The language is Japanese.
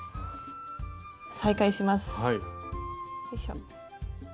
再開します。